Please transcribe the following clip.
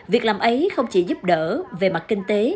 việc làm ấy không chỉ giúp đỡ về mặt kinh tế